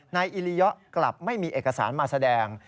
นายอิริยะกลับไม่มีเอกสารมาแสดง